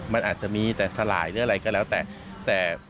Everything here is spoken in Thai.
มันอาจจะมีแต่สลายหรืออะไรก็แล้วแต่